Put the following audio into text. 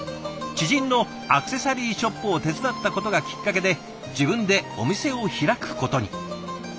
知人のアクセサリーショップを手伝ったことがきっかけで自分でお店を開くことに。